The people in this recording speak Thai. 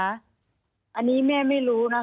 อันนี้แม่ไม่รู้นะ